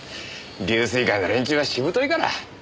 龍翠会の連中はしぶといから。